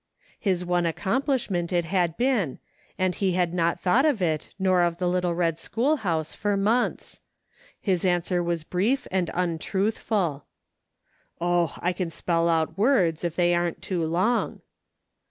His one accomplishment it had been, and he had not thought of it, nor of the little red schoolhouse, for months. His answer was brief and untruthful :" Oh ! I can spell out words, if they aren't too long."